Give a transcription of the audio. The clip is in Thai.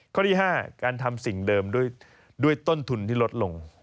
ข้อที่๕การทำสิ่งเดิมด้วยต้นทุนที่ลดลง